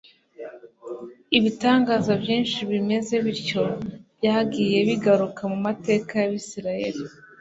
Ibitangaza byinshi bimeze bityo byagiye bigaruka mu mateka y'abisiraeli.